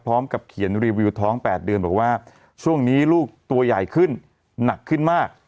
พร้อมกับเขียนรีวิวท้อง๘เดือนบอกว่าช่วงนี้ลูกตัวใหญ่ขึ้นหนักขึ้นมาก